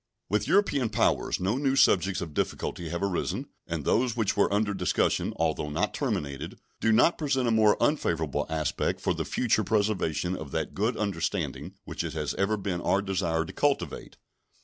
With European powers no new subjects of difficulty have arisen, and those which were under discussion, although not terminated, do not present a more unfavorable aspect for the future preservation of that good understanding which it has ever been our desire to cultivate.